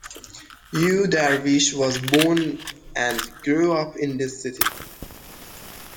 Yu Darvish was born and grew up in this city.